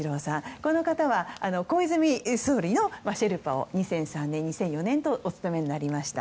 この方は小泉総理のシェルパを２００３年、２００４年とお務めになりました。